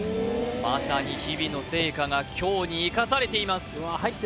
まさに日々の成果が今日に生かされています